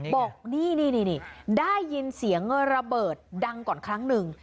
บอกนี่ได้ยินเสียงระเบิดดังก่อนครั้งหนึ่ง